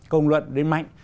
công luận đến mạnh